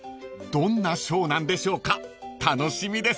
［どんなショーなんでしょうか楽しみです］